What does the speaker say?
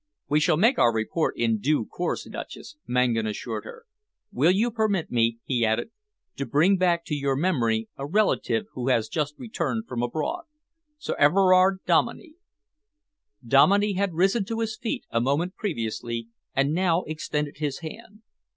"We shall make our report in due course, Duchess," Mangan assured her. "Will you permit me," he added, "to bring back to your memory a relative who has just returned from abroad Sir Everard Dominey?" Dominey had risen to his feet a moment previously and now extended his hand.